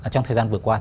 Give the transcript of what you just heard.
trong thời gian vừa qua